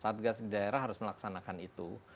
satgas di daerah harus melaksanakan itu